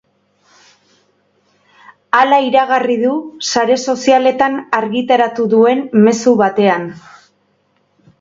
Hala iragarri du sare sozialetan argitaratu duen mezu batean.